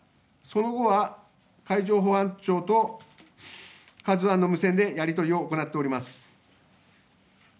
その後は海上保安庁とＫＡＺＵＩの無線でやり取りを行っております。